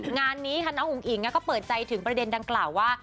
งานนี้ค่ะน้องอุ๋งอิ๋งก็เปิดใจถึงประเด็นดังกล่าวว่า